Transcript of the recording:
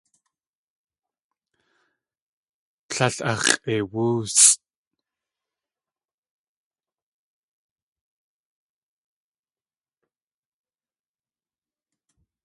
Tlél ax̲ʼeiwóosʼ.